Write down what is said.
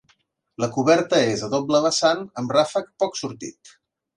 La coberta és a doble vessant amb ràfec poc sortit.